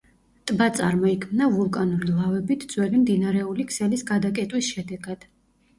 ტბა წარმოიქმნა ვულკანური ლავებით ძველი მდინარეული ქსელის გადაკეტვის შედეგად.